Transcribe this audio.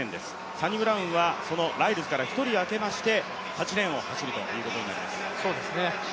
サニブラウンはそのライルズから１人あけまして８レーンを走るということになります。